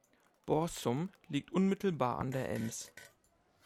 Borssum liegt unmittelbar an der Ems.